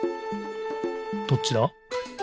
どっちだ？